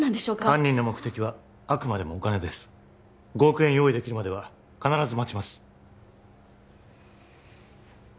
犯人の目的はあくまでもお金です５億円用意できるまでは必ず待ちます